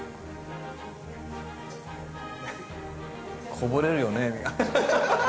こぼれるよね